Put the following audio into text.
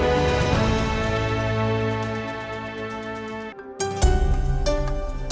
terima kasih pak hendrik